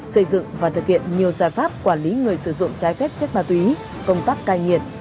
xây dựng và thực hiện nhiều giải pháp quản lý người sử dụng trái phép chất ma túy công tác cai nghiện